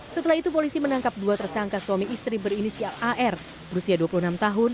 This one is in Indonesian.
setelah itu polisi menangkap dua tersangka suami istri berinisial ar berusia dua puluh enam tahun